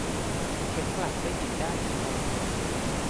เข็มกลัดก็หยิบได้จากโต๊ะนี้